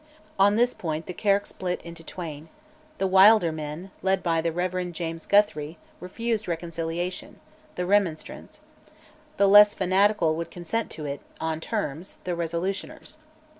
On this point the Kirk split into twain: the wilder men, led by the Rev. James Guthrie, refused reconciliation (the Remonstrants); the less fanatical would consent to it, on terms (the Resolutioners).